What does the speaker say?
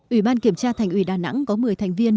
ủy ban kiểm tra thành ủy đà nẵng có một mươi tháng